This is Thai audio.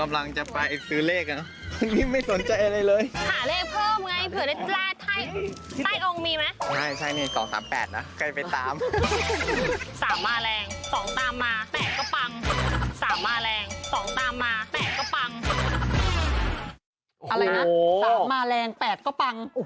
อะไรนะสามมาแรงแปดก็ปัง